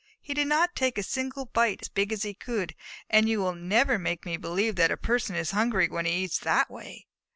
He did not take a single bite as big as he could, and you will never make me believe that a person is hungry when he eats in that way."